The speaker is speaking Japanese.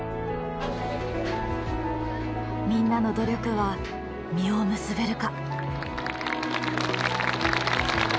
みんなの努力は実を結べるか？